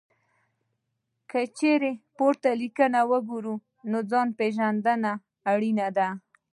که چېرې پورته لیکنه وګورئ، نو ځان پېژندنه اړینه ده.